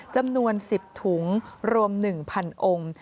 จำนวน๑๐ถุงรวม๑๐๐องค์